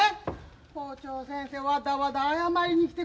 校長先生わだわだ謝りに来て。